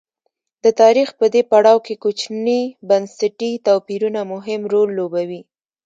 د تاریخ په دې پړاو کې کوچني بنسټي توپیرونه مهم رول لوبوي.